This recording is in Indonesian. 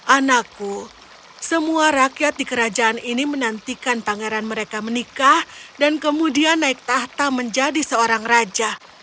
anakku semua rakyat di kerajaan ini menantikan pangeran mereka menikah dan kemudian naik tahta menjadi seorang raja